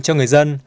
cho người dân